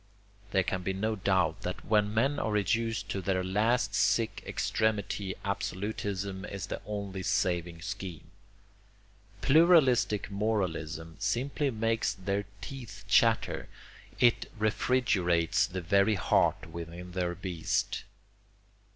There can be no doubt that when men are reduced to their last sick extremity absolutism is the only saving scheme. Pluralistic moralism simply makes their teeth chatter, it refrigerates the very heart within their breast.